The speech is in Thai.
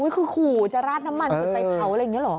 คือขู่จะราดน้ำมันจุดไฟเผาอะไรอย่างนี้เหรอ